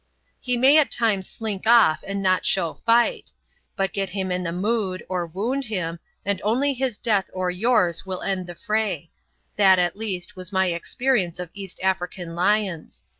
He may at times slink off and not show fight; but get him in the mood, or wound him, and only his death or yours will end the fray that, at least, was my experience of East African lions.